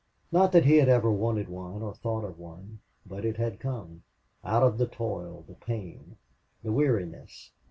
Not that he had ever wanted one or thought of one, but it had come out of the toil, the pain, the weariness.